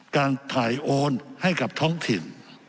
การถ่ายโอนให้กับท้องถิ่น